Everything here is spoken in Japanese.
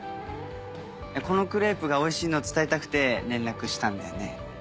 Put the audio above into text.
このクレープがおいしいのを伝えたくて連絡したんだよね。